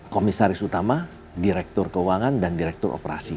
komisaris utama direktur keuangan dan direktur operasi